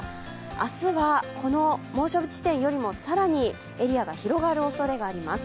明日はこの猛暑日地点よりも更にエリアが広がるおそれがあります。